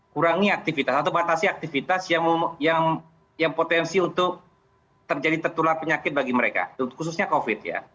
kurangi aktivitas atau batasi aktivitas yang potensi untuk terjadi tertular penyakit bagi mereka khususnya covid ya